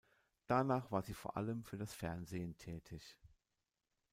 Danach war sie vor allem für das Fernsehen tätig.